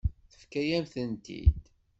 Tefka-yam-tent-id.